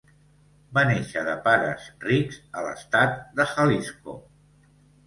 Va néixer de pares rics a l'estat de Jalisco.